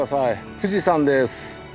富士山です。